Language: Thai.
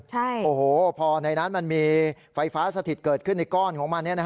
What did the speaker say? โอ้โหพอในนั้นมันมีไฟฟ้าสถิตเกิดขึ้นในก้อนของมัน